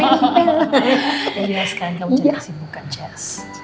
iya sekarang kamu jadi kesibukan jess